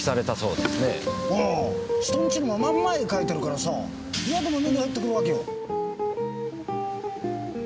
おう人んちのまん前で描いてるからさ嫌でも目に入ってくるわけよ。